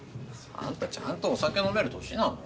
あんたちゃんとお酒飲める年なの？